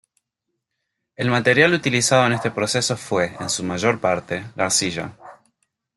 El material utilizado en este proceso fue, en su mayor parte, la arcilla.